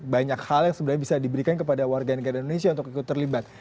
banyak hal yang sebenarnya bisa diberikan kepada warga negara indonesia untuk ikut terlibat